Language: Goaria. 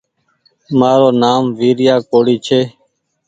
مآرو نآم ويريآ ڪوڙي ڇي